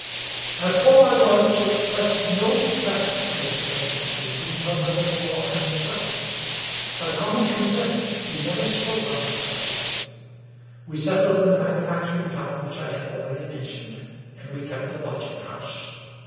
As for my wife, she expressed no regret at the estrange ment between her mother in law and herself. By common consent, we never spoke on that subject. We settled in the manufacturing town which I have already mentioned, and we kept a lodging house.